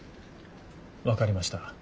分かりました。